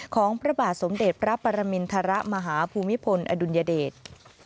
ของพระบาทสมเด็จพระปรมินทรมาฮภูมิพลอดุลยเดช